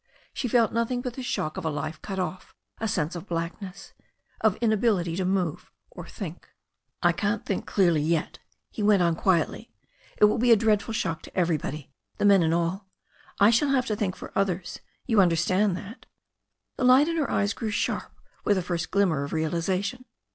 She felt noth ing but the shock of a life cut off, a sense of blackness, of inability to move or think. THE STORY OF A NEW ZEALAND MVER 405 <*1 1 can't think clearly yet," he went on quietly. "It will be a dreadful shock to everybody, the men and all. I shall have to think for others. You understand that?" The light in her eyes grew sharp w^ith a first glimmer of realization.